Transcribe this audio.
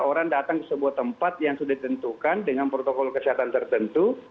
orang datang ke sebuah tempat yang sudah ditentukan dengan protokol kesehatan tertentu